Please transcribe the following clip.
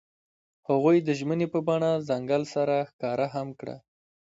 هغوی د ژمنې په بڼه ځنګل سره ښکاره هم کړه.